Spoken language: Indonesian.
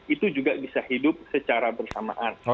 itu juga bisa hidup secara bersamaan